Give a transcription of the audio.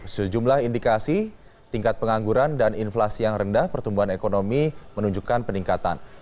sejumlah indikasi tingkat pengangguran dan inflasi yang rendah pertumbuhan ekonomi menunjukkan peningkatan